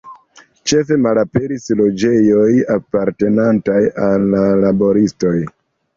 Ĉefe malaperis loĝejoj apartenantaj al laboristoj.